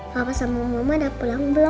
bapak sama mama udah pulang belum